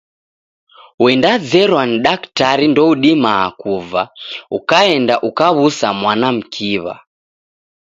Wendazerwa ni daktrari ndoudima kuva, ukaenda ukaw'usa mwana mkiw'a.